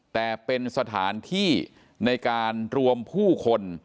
แต่เป็นสถานที่ในการรวมผู้คน